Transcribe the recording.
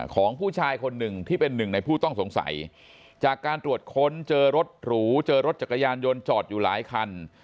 ของผู้ชายคนหนึ่งที่เป็นหนึ่งในผู้ต้องสงสัยจากการตรวจค้นเจอรถหรูเจอรถจักรยานยนต์จอดอยู่หลายคัน